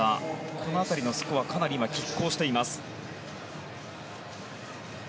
この辺りのスコアがかなり拮抗しています。